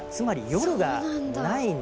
夜がない。